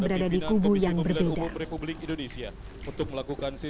berada di kubu yang berbeda